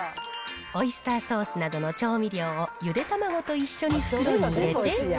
オイスターソースなどの調味料をゆで卵と一緒に袋に入れて。